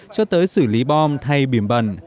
cho tới xử lý bom thay bìm bẩn